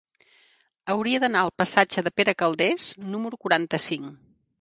Hauria d'anar al passatge de Pere Calders número quaranta-cinc.